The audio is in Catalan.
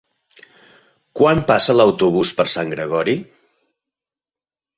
Quan passa l'autobús per Sant Gregori?